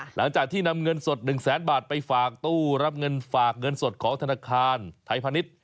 หลังจากที่นำเงินสด๑แสนบาทไปฝากตู้รับเงินฝากเงินสดของธนาคารไทยพาณิชย์